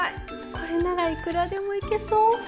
これならいくらでも行けそう。